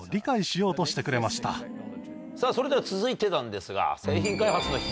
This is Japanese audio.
それでは続いてなんですが。